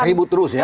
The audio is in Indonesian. ribut terus ya